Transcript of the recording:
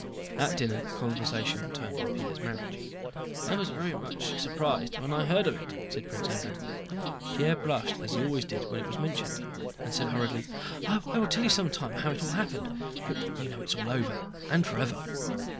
At dinner, conversation turned on Pierre's marriage. "I was very much surprised when I heard of it," said Prince Andrew. Pierre blushed, as he always did when it was mentioned, and said hurriedly: "I will tell you some time how it all happened. But you know it is all over, and forever."